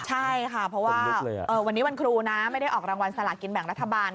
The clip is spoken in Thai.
ใช่ค่ะเพราะว่าวันนี้วันครูนะไม่ได้ออกรางวัลสลากินแบ่งรัฐบาล